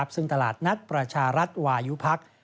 ซึ่งตลาดนัดประชารัฐวายุพักษ